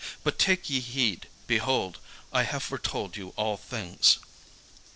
But take ye heed: behold, I have foretold you all things.